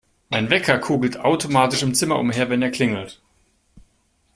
Mein Wecker kugelt automatisch im Zimmer umher, wenn er klingelt.